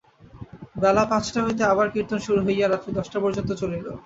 বেলা পাঁচটা হইতে আবার কীর্তন শুরু হইয়া রাত্রি দশটা পর্যন্ত চলিল।